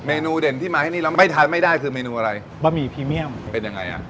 เนนูเด่นที่มาที่นี่แล้วไม่ทานไม่ได้คือเมนูอะไรบะหมี่พรีเมียมเป็นยังไงอ่ะ